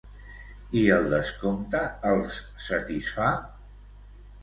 I el descompte els satisfà?